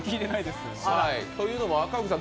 というのも赤荻さん